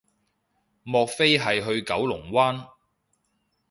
莫非係去九龍灣